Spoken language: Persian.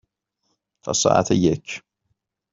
تا ساعت یک.